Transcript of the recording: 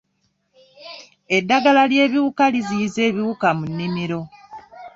Eddagala ly'ebiwuka liziyiza ebiwuka mu nnimiro.